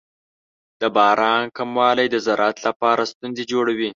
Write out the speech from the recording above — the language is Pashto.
د باران کموالی د زراعت لپاره ستونزې جوړوي.